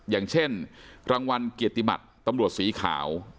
อย่างเช่นรางวัลเกียรติบัตรตำรวจสีขาว